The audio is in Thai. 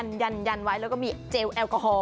มันยันไว้แล้วก็มีเจลแอลกอฮอล